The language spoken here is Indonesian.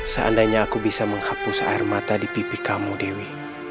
seandainya aku bisa menghapus air mata di pipi kamu dewi